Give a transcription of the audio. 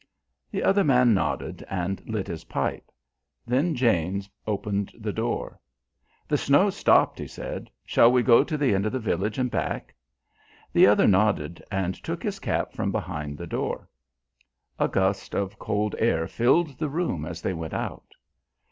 The other man nodded and lit his pipe. Then James opened the door. "The snow's stopped," he said. "Shall we go to the end of the village and back?" The other nodded, and took his cap from behind the door. A gust of cold air filled the room as they went out.